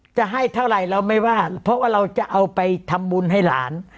จะให้เท่าไหร่เราไม่ว่าเพราะว่าเราจะเอาไปทำบุญให้หลาน